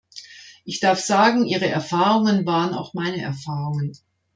Ich darf sagen, Ihre Erfahrungen waren auch meine Erfahrungen.